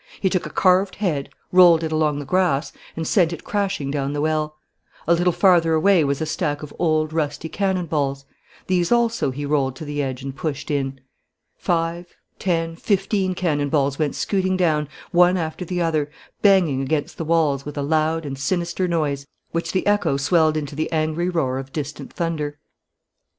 He took a carved head, rolled it along the grass, and sent it crashing down the well. A little farther away was a stack of old, rusty cannon balls. These also he rolled to the edge and pushed in. Five, ten, fifteen cannon balls went scooting down, one after the other, banging against the walls with a loud and sinister noise which the echo swelled into the angry roar of distant thunder.